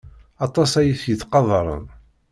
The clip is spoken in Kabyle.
Aṭas ay t-yettqadaren.